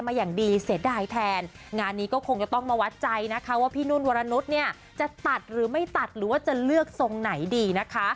ตัดหรือไม่ตัดหรือว่าจะเลือกทรงไหนดีนะคะ